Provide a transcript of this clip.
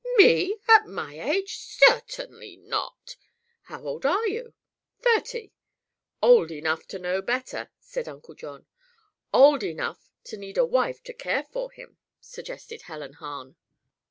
"Me? At my age? Cer tain ly not!" "How old are you?" "Thirty." "Old enough to know better," said Uncle John. "Old enough to need a wife to care for him," suggested Helen Hahn.